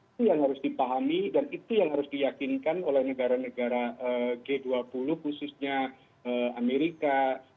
itu yang harus dipahami dan itu yang harus diyakinkan oleh negara negara g dua puluh khususnya amerika